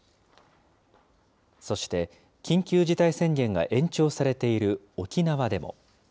そして、緊急事態宣言が延長されている沖縄でも。